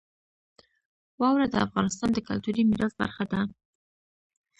واوره د افغانستان د کلتوري میراث برخه ده.